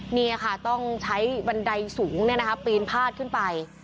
นี่ค่ะต้องใช้บันไดสูงปีนพาดขึ้นไป